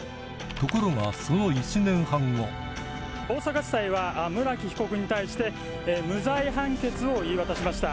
ところがその１年半後大阪地裁は村木被告に対して無罪判決を言い渡しました。